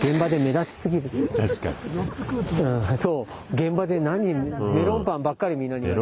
現場でメロンパンばっかりみんなに言われる。